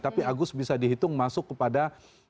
tapi agus bisa dihitung masuk kepada